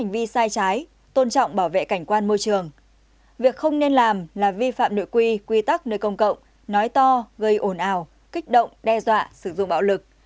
việc không nên làm là vi phạm nội quy quy tắc nơi công cộng nói to gây ồn ào kích động đe dọa sử dụng bạo lực